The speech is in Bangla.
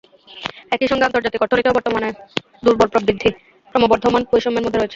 একই সঙ্গে আন্তর্জাতিক অর্থনীতিও বর্তমানে দুর্বল প্রবৃদ্ধি, ক্রমবর্ধমান বৈষম্যের মধ্যে রয়েছে।